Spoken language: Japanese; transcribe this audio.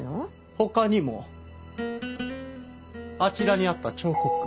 他にもあちらにあった彫刻。